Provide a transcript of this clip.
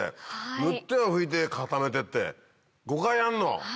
塗っては拭いて固めてって５回やんの？